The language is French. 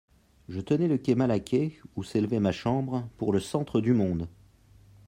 Je tenais le quai Malaquais, ou s'élevait ma chambre, pour le centre du monde.